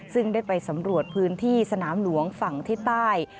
ซึ่งได้ไปสำรวจพื้นที่สนามหลวงฝั่งที่ใต้